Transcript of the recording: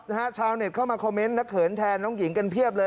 ชาวเน็ตเข้ามาคอมเมนต์นักเขินแทนน้องหญิงกันเพียบเลย